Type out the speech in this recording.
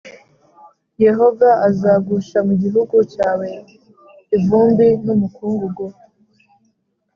yehova azagusha mu gihugu cyawe ivumbi n’umukungugu.